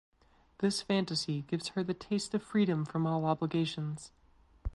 This fantasy gives her the taste of freedom from all obligations.